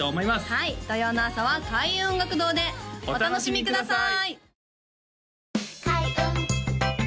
はい土曜の朝は開運音楽堂でお楽しみください！